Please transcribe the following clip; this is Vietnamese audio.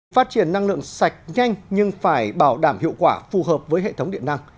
phát triển năng lượng sạch nhanh nhưng phải bảo đảm hiệu quả phù hợp với hệ thống điện năng